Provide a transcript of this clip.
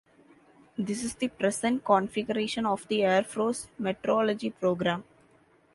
This is the present configuration of the Air Force Metrology program.